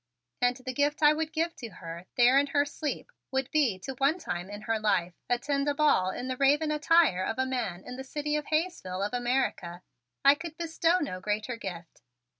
And the gift I would give to her, there in her sleep, would be to one time in her life attend a ball in the raven attire of a man in the city of Hayesville of America. I could bestow no greater gift.